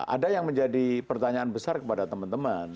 ada yang menjadi pertanyaan besar kepada teman teman